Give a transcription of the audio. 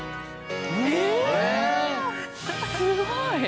すごい！